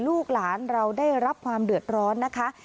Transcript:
ลูกหลานเราได้รับความเดือดร้อนนะคะ